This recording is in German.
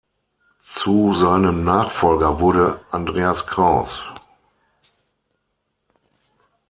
Zu seinem Nachfolger wurde Andreas Kraus.